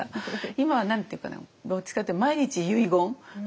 今は何て言うかなどっちかっていうと遺言？